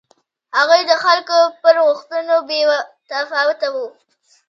هغوی د خلکو پر غوښتنو بې تفاوته و.